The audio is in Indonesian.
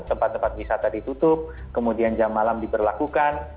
tempat tempat wisata ditutup kemudian jam malam diberlakukan